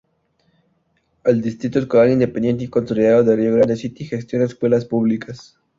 El Distrito Escolar Independiente y Consolidado de Rio Grande City gestiona escuelas públicas.